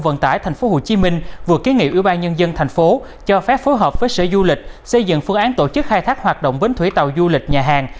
vừa ký nghị ủy ban nhân dân thành phố cho phép phối hợp với sở du lịch xây dựng phương án tổ chức khai thác hoạt động bến thủy tàu du lịch nhà hàng